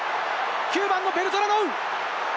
９番のベルトラノウ！